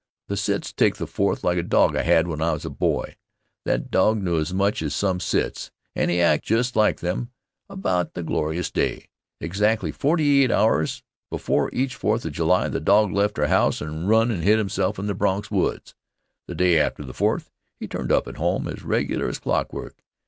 The Cits take the Fourth like a dog I had when I was a boy. That dog knew as much as some Cits and he acted just like them about the glorious day. Exactly forty eight hours before each Fourth of July, the dog left our house on a run and hid himself in the Bronx woods. The day after the Fourth he turned up at home as regular as clockwork.